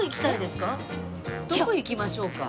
どこ行きましょうか？